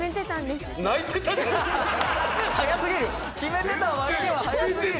早過ぎる。